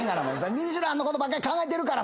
『ミシュラン』のことばっか考えてるから